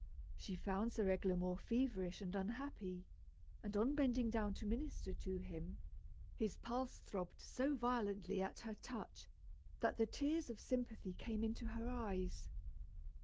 She found Sir Eglamour feverish and unhappy, and on bending down to minister to him, his pulse throbbed so violently at her touch, that the tears of sympathy came into her eyes.